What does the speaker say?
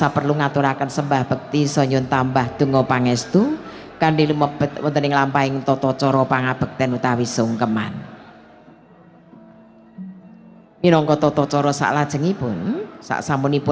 mengaturakan sembah berkati dengan arsani pun ramo ibu